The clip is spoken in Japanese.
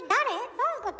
どういうこと？